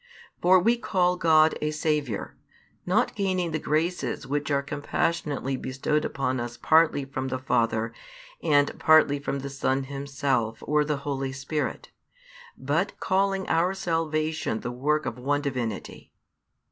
For we call God a Saviour, not gaining the graces which are |365 compassionately bestowed upon us partly from the Father, and partly from the Son Himself or the Holy Spirit, but calling our salvation the work of One Divinity.